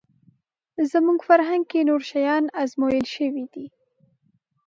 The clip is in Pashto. زموږ فرهنګ کې نور شیان ازمویل شوي دي